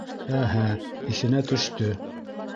Әһә, иҫенә төштө!